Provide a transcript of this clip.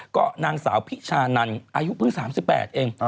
ก็นางสาวพิชานันอายุเพิ่ง๓๘เอง